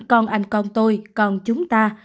con anh con tôi con chúng ta